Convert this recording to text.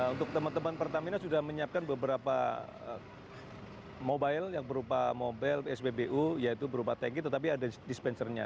untuk teman teman pertamina sudah menyiapkan beberapa mobile yang berupa mobile spbu yaitu berupa tanki tetapi ada dispensernya